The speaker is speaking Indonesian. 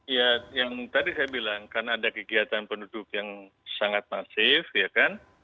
ya yang tadi saya bilang karena ada kegiatan penduduk yang sangat masif ya kan